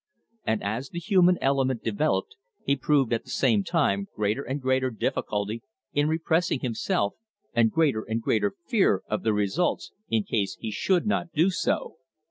And as the human element developed, he proved at the same time greater and greater difficulty in repressing himself and greater and greater fear of the results in case he should not do so.